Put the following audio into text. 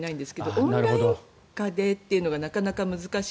オンライン下でというのがなかなか難しい。